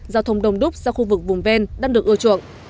giao thông đồng đúc ra khu vực vùng ven đang được ưa chuộng